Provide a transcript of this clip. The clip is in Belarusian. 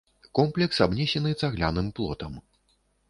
Комплекс абнесены цагляным плотам.